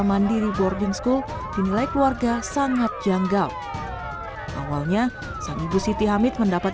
mandiri boarding school dinilai keluarga sangat janggal awalnya sang ibu siti hamid mendapat